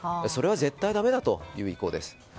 それは絶対にだめだという意向です。